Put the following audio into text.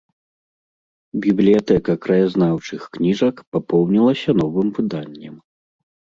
Бібліятэка краязнаўчых кніжак папоўнілася новым выданнем.